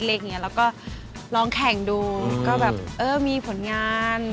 แล้วก็ลองแข่งดูก็แบบเออมีผลงาน